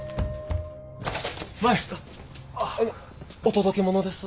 舞！お届け物です。